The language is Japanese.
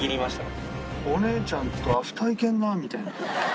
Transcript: お姉ちゃんとアフター行けるなみたいな。